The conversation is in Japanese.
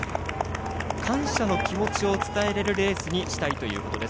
感謝の気持ちを伝えられるレースにしたいということです。